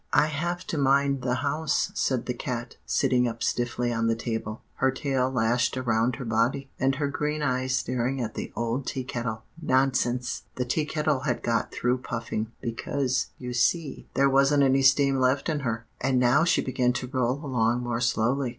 "'I have to mind the house,' said the cat, sitting up stiffly on the table, her tail lashed around her body, and her green eyes staring at the old Tea Kettle. "'Nonsense!' The Tea Kettle had got through puffing, because, you see, there wasn't any steam left in her; and now she began to roll along more slowly.